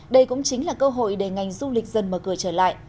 đây cũng chính là cơ hội để ngành du lịch dần mở cửa trở lại